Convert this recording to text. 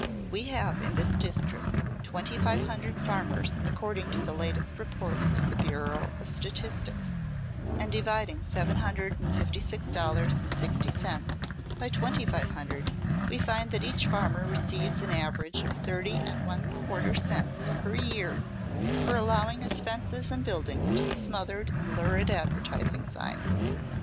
We have, in this district, twenty five hundred farmers according to the latest reports of the Bureau of Statistics, and dividing seven hundred and fifty six dollars and sixty cents by twenty five hundred, we find that each farmer receives an average of thirty and one quarter cents per year for allowing his fences and buildings to be smothered in lurid advertising signs.